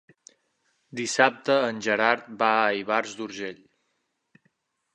Dissabte en Gerard va a Ivars d'Urgell.